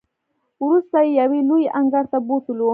وروسته یې یوې لویې انګړ ته بوتللو.